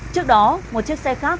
trước đó một chiếc xe khác